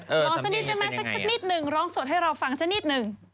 ร้องสักนิดได้ไหมสักนิดหนึ่งร้องสดให้เราฟังสักนิดหนึ่ง